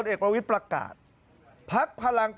สมัยไม่เรียกหวังผม